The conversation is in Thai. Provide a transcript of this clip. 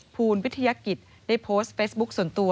ภูมิวิทยากิจได้โพสต์เฟซบุ๊คส่วนตัว